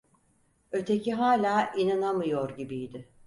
Öteki hala inanamıyor gibiydi.